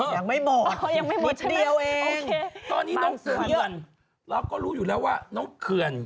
ยังไม่หมดเท่านั้นโอเคมันส่วนกันแล้วก็รู้อยู่แล้วว่าน้องเคือน